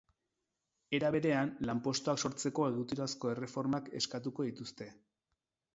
Era berean, lanpostuak sortzeko egiturazko erreformak eskatuko dituzte.